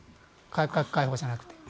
改革開放じゃなくて。